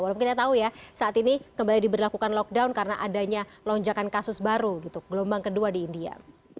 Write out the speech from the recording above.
walaupun kita tahu ya saat ini kembali diberlakukan lockdown karena adanya lonjakan kasus baru gitu gelombang kedua di india